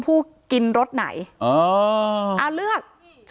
เมื่อกี้เบาเยอะเลย